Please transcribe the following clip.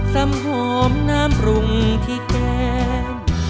สำหอมน้ำปรุงที่แกล้ง